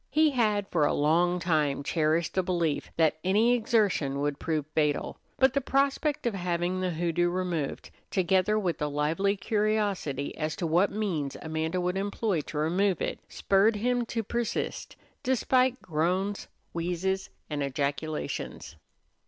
He had for a long time cherished the belief that any exertion would prove fatal; but the prospect of having the hoodoo removed, together with a lively curiosity as to what means Amanda would employ to remove it, spurred him to persist despite groans, wheezes, and ejaculations.